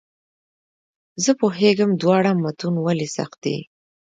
زه پوهېږم دواړه متون ولې سخت دي.